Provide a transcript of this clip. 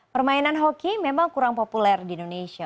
permainan hoki memang kurang populer di indonesia